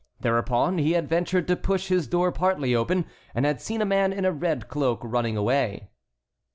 Thereupon he had ventured to push his door partly open, and had seen a man in a red cloak running away.